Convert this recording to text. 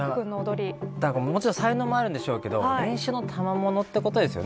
もちろん才能もあるでしょうけど練習のたまものということですよね。